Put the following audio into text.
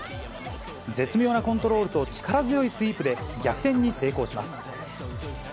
絶妙なコントロールと力強いスイープで逆転に成功します。